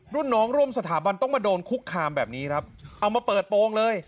รุ่นน้องร่วมสถาบันต้องมาโดนคุกคามแบบนี้ครับเอามาเปิดโปรงเลย